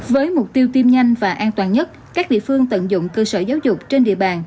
với mục tiêu tiêm nhanh và an toàn nhất các địa phương tận dụng cơ sở giáo dục trên địa bàn